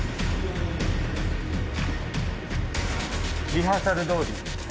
リハーサルどおり。